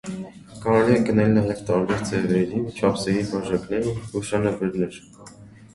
Կարելի է գնել նաև տարբեր ձևերի ու չափսերի բաժակներ ու հուշանվերներ։